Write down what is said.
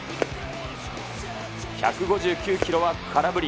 １５９キロは空振り。